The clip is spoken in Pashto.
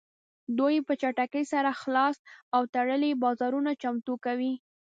دوی په چټکۍ سره خلاص او تړلي بازارونه چمتو کوي